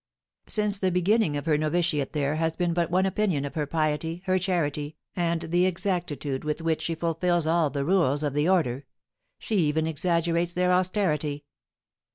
Since the beginning of her novitiate there has been but one opinion of her piety, her charity, and the exactitude with which she fulfils all the rules of the order; she even exaggerates their austerity.